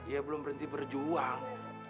ya belum berhenti berjuang